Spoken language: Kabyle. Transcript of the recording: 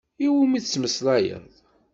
Iwumi tettmeslayeḍ?